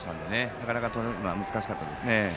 なかなかとるのは難しかったですね。